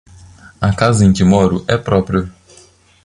A casa em que moro é própria.